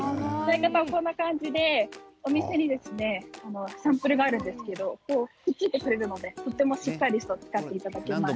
こんな感じでお店にサンプルがあるんですけれどくっついてくれるのでとてもしっかりと使っていただけます。